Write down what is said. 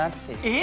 え？